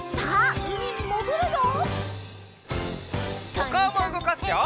おかおもうごかすよ！